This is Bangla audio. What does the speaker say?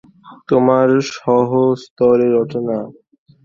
তোমার স্বহস্তের রচনা!